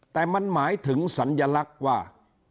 แต่มันหมายถึงสัญลักษณ์ว่า